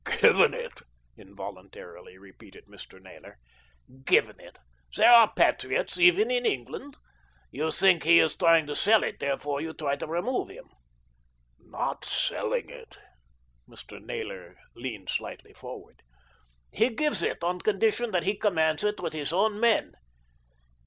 "Given it!" involuntarily repeated Mr. Naylor. "Given it. There are patriots even in England. You think he is trying to sell it, therefore you try to remove him." "Not selling it." Mr. Naylor leaned slightly forward. "He gives it on condition that he commands it with his own men.